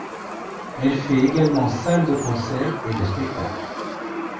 Elle fait également salle de concerts et de spectacles.